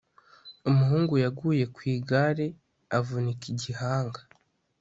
umuhungu yaguye ku igare avunika igihanga